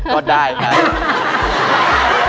ก็ได้ค่ะ